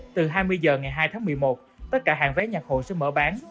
từ hai mươi h ngày hai tháng một mươi một tất cả hàng vé nhạc hội sẽ mở bán